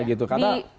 tidak ada penyadar gitu